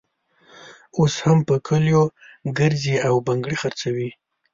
اوس هم په کلیو ګرزي او بنګړي خرڅوي.